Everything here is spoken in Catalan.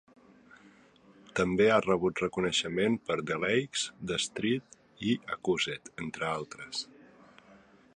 També ha rebut reconeixement per "The Lakes," "The Street" i "Accused", entre altres.